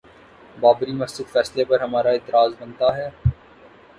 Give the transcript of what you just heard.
بابری مسجد فیصلے پر ہمارا اعتراض بنتا ہے؟